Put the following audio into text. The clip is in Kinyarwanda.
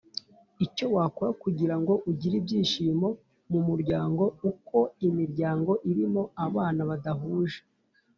Icyo wakora kugira ngo ugire ibyishimo mu muryango uko imiryango irimo abana badahuje